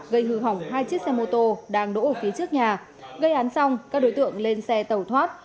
gây hư hỏng hai chiếc xe mô tô đang đổ ở phía trước nhà gây án xong các đối tượng lên xe tàu thoát